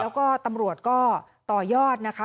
แล้วก็ตำรวจก็ต่อยอดนะคะ